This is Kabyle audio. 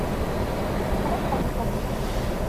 Ṛuḥent-aɣ.